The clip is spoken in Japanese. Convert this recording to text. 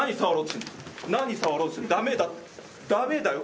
ダメだよ。